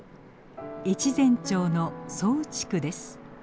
越前町の左右地区です。